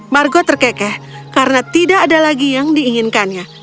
margo terkekeh karena tidak ada lagi yang diinginkannya